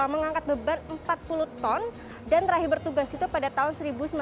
mengangkat beban empat puluh ton dan terakhir bertugas itu pada tahun seribu sembilan ratus sembilan puluh